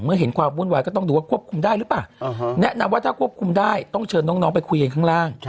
เห็นความวุ่นวายก็ต้องดูว่าควบคุมได้หรือเปล่าแนะนำว่าถ้าควบคุมได้ต้องเชิญน้องไปคุยกันข้างล่าง